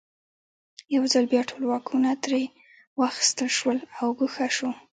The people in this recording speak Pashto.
یو ځل بیا ټول واکونه ترې واخیستل شول او ګوښه شو.